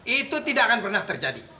itu tidak akan pernah terjadi